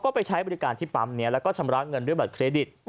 ก็ไปใช้บริการที่ปั๊มนี้แล้วก็ชำระเงินด้วยบัตรเครดิต